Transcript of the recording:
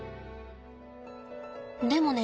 でもね